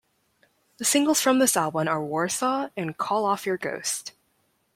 The singles from this album are "Warsaw" and "Call Off Your Ghost.